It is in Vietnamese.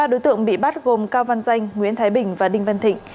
ba đối tượng bị bắt gồm cao văn danh nguyễn thái bình và đinh văn thịnh